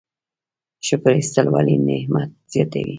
شکر ایستل ولې نعمت زیاتوي؟